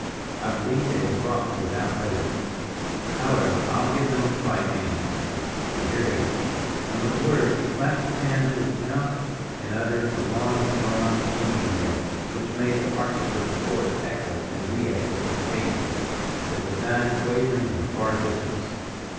I believe they will cross it without notice. However, I'll give them a fright anyhow so here goes," and with the words, he clapped his hand to his mouth, and uttered a long drawn Indian yell, which made the arches of the forest echo and re echo its cadences, till it died quavering in the far distance.